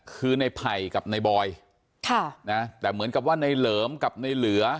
คือในไผ่กับในบอยค่ะนะแต่เหมือนกับว่าในเหลิมกับในเหลือ